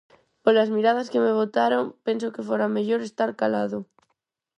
Polas miradas que me botaron penso que fora mellor estar calado.